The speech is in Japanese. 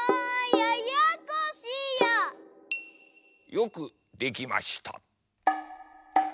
よくできました。